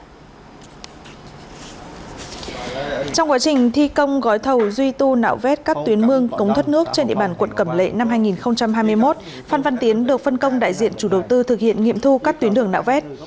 trong quá trình thi công gói thầu duy tu nạo vét các tuyến mương cống thuất nước trên địa bàn quận cẩm lệ năm hai nghìn hai mươi một phan văn tiến được phân công đại diện chủ đầu tư thực hiện nghiệm thu các tuyến đường nạo vét